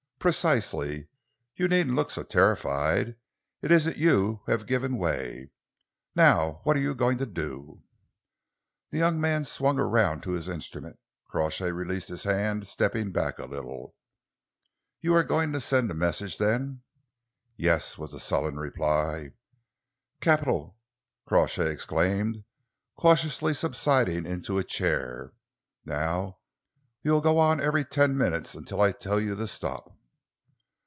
"Precisely. You needn't look so terrified. It isn't you who have given away. Now what are you going to do?" The young man swung round to his instrument. Crawshay released his hand, stepping a little back. "You are going to send the message, then?" "Yes!" was the sullen reply. "Capital!" Crawshay exclaimed, cautiously subsiding into a chair. "Now you'll go on every ten minutes until I tell you to stop."